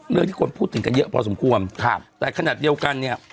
เรื่องที่คนพูดถึงกันเยอะพอสมควรครับแต่ขนาดเดียวกันเนี่ย